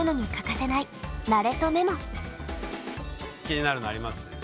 気になるのあります？